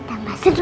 pasti tambah seru